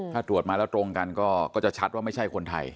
ถ้าตรวจมาแล้วตรงกันก็จะชัดว่าไม่ใช่คนไทย